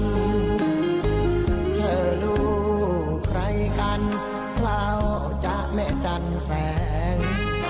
ลูกใครกันเราจะไม่จันแสง